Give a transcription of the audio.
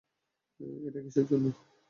এটা কীসের জন্য?